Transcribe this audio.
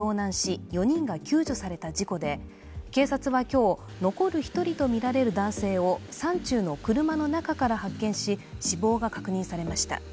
山で５人が遭難し、４人が救助された事故で警察は今日、残る１人とみられる男性を山中の車の中から発見し、死亡が確認されました。